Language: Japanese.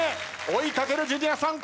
追い掛けるジュニアさん